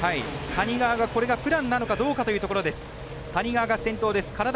谷川がプランなのかどうかというところです。